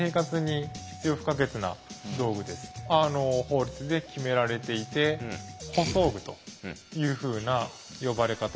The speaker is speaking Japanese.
法律で決められていて「補装具」というふうな呼ばれ方をします。